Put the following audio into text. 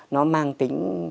nó mang tính